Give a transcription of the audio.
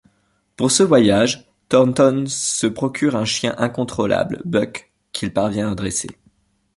Pour ce voyage, Thornton se procure un chien incontrôlable, Buck, qu'il parvient à dresser.